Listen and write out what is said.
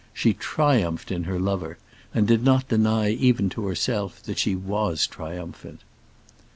She triumphed in her lover, and did not deny even to herself that she was triumphant.